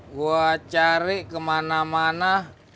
gue cari kemana mana